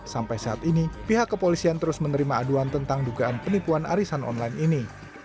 sampai saat ini pihak kepolisian terus menerima aduan tentang dugaan penipuan arisan online ini